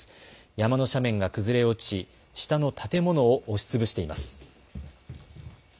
山の斜面が崩れ落ち下の建物を押しつぶしています。